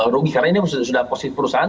rugi karena ini sudah positif perusahaan